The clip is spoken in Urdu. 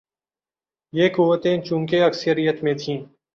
یہ قوتیں چونکہ اکثریت میں تھیں۔